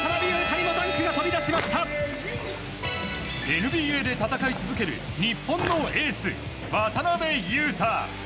ＮＢＡで戦い続ける日本のエース、渡邊雄太。